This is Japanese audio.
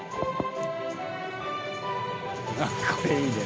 あっこれいいね。